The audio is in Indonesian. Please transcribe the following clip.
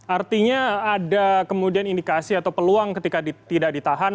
artinya ada kemudian indikasi atau peluang ketika tidak ditahan